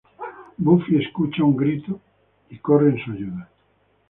Buffy escucha un grito y corre en su ayuda.